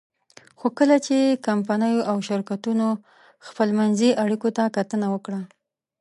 خو کله چې کمپنیو او شرکتونو خپلمنځي اړیکو ته کتنه وکړه.